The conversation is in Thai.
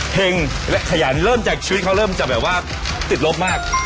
เห็งและขยันเริ่มจากชีวิตเขาเริ่มจะแบบว่าติดลบมาก